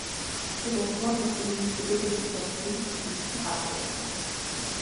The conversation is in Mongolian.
Би гуравдугаар хурлын үед хөдөө байсан тул тэнд танилцах аргагүй байлаа.